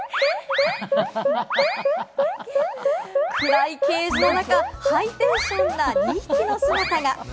暗いケージの中、ハイテンションな２匹の姿が。